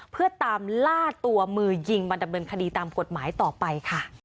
เพื่อตามล่าตัวมือยิงมาดำเนินคดีตามกฎหมายต่อไปค่ะ